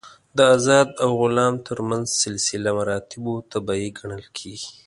د آزاد او غلام تر منځ سلسله مراتبو طبیعي ګڼل کېږي.